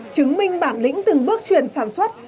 chứng minh bản lĩnh từng bước chuyển sản xuất